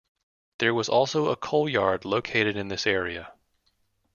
There was also a coal yard located in this area.